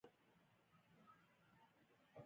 په یوازې سر یې د جندول د خانۍ د نیولو فیصله وکړه.